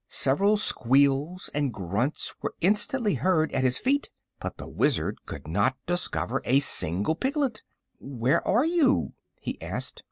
Several squeals and grunts were instantly heard at his feet, but the Wizard could not discover a single piglet. "Where are you?" he asked.